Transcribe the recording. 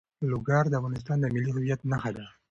لوگر د افغانستان د ملي هویت نښه ده.